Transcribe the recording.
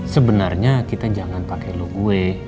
sebenarnya kita jangan pake lo gue